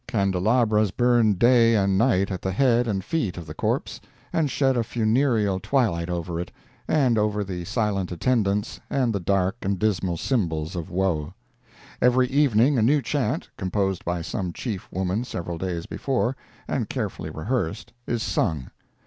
Candelabras burn day and night at the head and feet of the corpse, and shed a funereal twilight over it, and over the silent attendants and the dark and dismal symbols of woe. Every evening a new chant, composed by some Chief woman several days before, and carefully rehearsed, is sung.